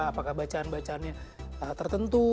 apakah bacaan bacaannya tertentu